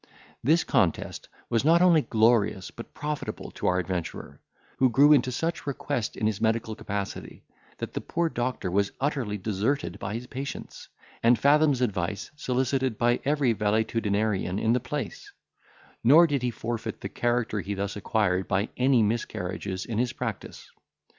This contest was not only glorious but profitable to our adventurer, who grew into such request in his medical capacity, that the poor doctor was utterly deserted by his patients, and Fathom's advice solicited by every valetudinarian in the place; nor did he forfeit the character he thus acquired by any miscarriages in his practice.